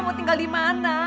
mau tinggal dimana